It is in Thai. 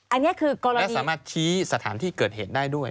อันนี้คือกรณีและสามารถชี้สถานที่เกิดเหตุได้ด้วย